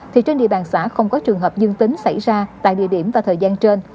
thì trên địa bàn xã không có trường hợp dương tính xảy ra tại địa điểm và thời gian trên